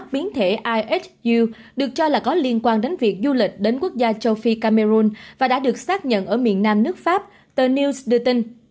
biến thể isu được cho là có liên quan đến việc du lịch đến quốc gia châu phi cameroon và đã được xác nhận ở miền nam nước pháp tờ news đưa tin